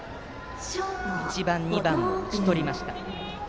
１番、２番を打ち取りました。